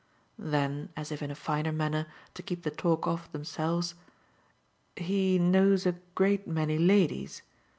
Then as if, in a finer manner, to keep the talk off themselves: "He knows a great many ladies."